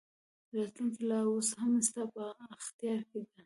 راتلونکې لا اوس هم ستا په اختیار کې ده.